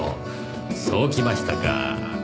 そうきましたか。